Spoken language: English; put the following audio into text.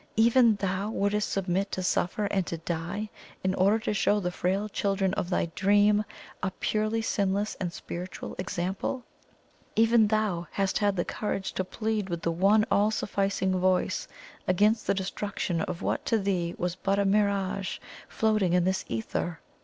Even THOU wouldst submit to suffer and to die, in order to show the frail children of thy dream a purely sinless and spiritual example! Even THOU hast had the courage to plead with the One All Sufficing Voice against the destruction of what to thee was but a mirage floating in this ether!